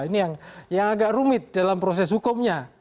ini yang agak rumit dalam proses hukumnya